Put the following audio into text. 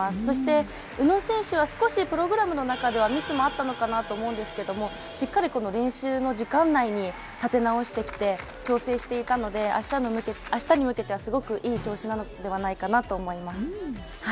そして宇野選手は少しプログラムの中ではミスはあったのかなと思うんですけれどもしっかり練習の時間内に立て直してきて調整していたので、明日に向けてはすごくいい調子なのではないかなと思います。